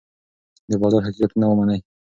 د بازار حقیقتونه ومنئ.